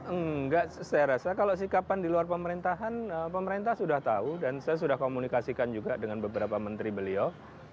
enggak saya rasa kalau sikapan di luar pemerintahan pemerintah sudah tahu dan saya sudah komunikasikan juga dengan beberapa menteri beliau